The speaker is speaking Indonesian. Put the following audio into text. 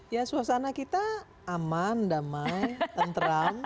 ya suasana kita aman damai tenteram